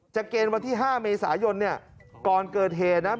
จะเกณฑ์วันที่๕เมษายนก่อนเกิดเหตุนะ